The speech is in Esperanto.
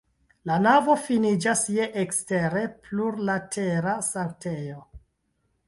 La navo finiĝas je ekstere plurlatera sanktejo.